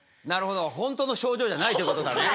ほんとの症状じゃないということだね。